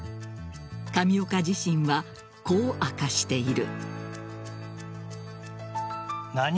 上岡自身は、こう明かしている。